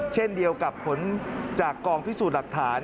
เช่นเดียวกับผลจากกองพิสูจน์หลักฐาน